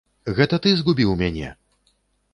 Гэта ты згубіў мяне!